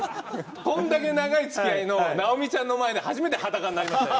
こんだけ長いつきあいの尚美ちゃんの前で初めて裸になりましたよ。